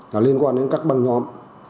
là liên quan đến các băng nhóm